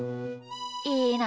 いいな。